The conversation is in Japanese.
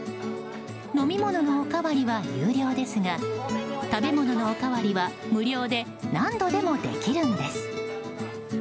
飲み物のおかわりは有料ですが食べ物のおかわりは無料で何度でもできるんです。